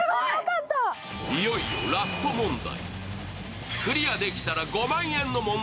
いよいよラスト問題。